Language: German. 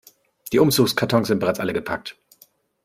Die Umzugskartons sind bereits alle gepackt.